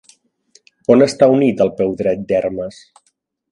On està unit el peu dret d'Hermes?